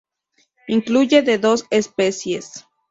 Incluye de dos especies.